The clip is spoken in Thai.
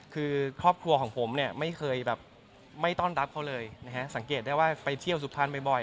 คือครอบครัวของผมเนี่ยไม่เคยแบบไม่ต้อนรับเขาเลยนะฮะสังเกตได้ว่าไปเที่ยวสุพรรณบ่อย